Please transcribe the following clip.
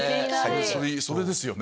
それですよね